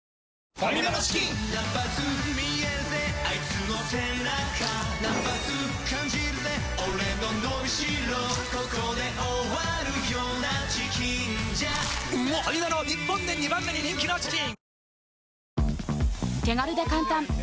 ファミマの日本で２番目に人気のチキン！